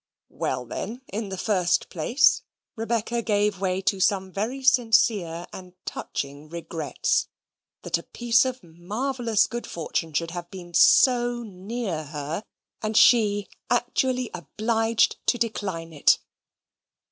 Well, then, in the first place, Rebecca gave way to some very sincere and touching regrets that a piece of marvellous good fortune should have been so near her, and she actually obliged to decline it.